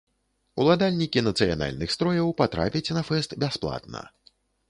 Уладальнікі нацыянальных строяў патрапяць на фэст бясплатна.